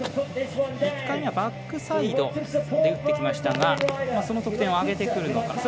１回目はバックサイドできましたがその得点を上げてくるのか。